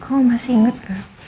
kamu masih inget gak